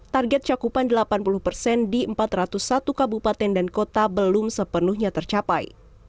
target cakupan delapan puluh persen di empat ratus satu kabupaten dan kota belum sepenuhnya tercapai